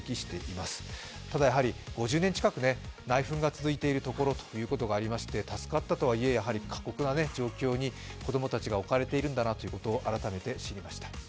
ただ、やはり５０年近く内紛が続いているということですので、助かったとはいえ過酷な状況に子供たちが置かれているんだなということ、改めて知りました。